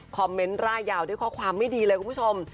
เมนต์ร่ายยาวด้วยข้อความไม่ดีเลยคุณผู้ชม